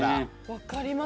わかります。